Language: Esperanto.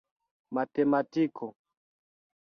matematiko